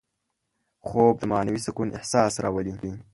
خوب د معنوي سکون احساس راولي